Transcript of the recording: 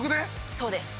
そうです。